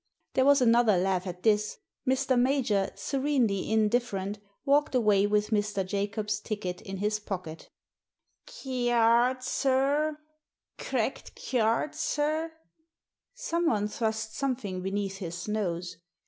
There was anotlier laugh at this. Mr. Major, serenely indifferent, walked away with Mr. Jacobs' ticket in his pocket " Kyard, sir 1 Krect kyard, sir." Someone thrust something beneath his nose.